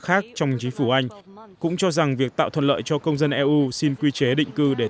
khác trong chính phủ anh cũng cho rằng việc tạo thuận lợi cho công dân eu xin quy chế định cư để